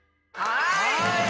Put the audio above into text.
はい！